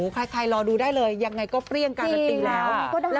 ใครรอดูได้เลยยังไงก็เปรี้ยงการันตีแล้ว